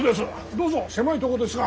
どうぞ狭いとこですが。